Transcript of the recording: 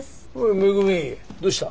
恵どうした？